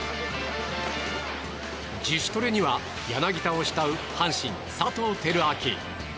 自主トレには、柳田を慕う阪神、佐藤輝明